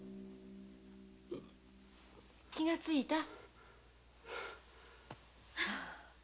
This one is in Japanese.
気がついた？